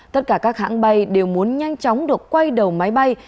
tất cả các hãng bay đều muốn nhanh chóng được quay đầu máy bay